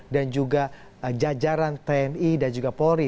dan juga jajaran tni dan juga polri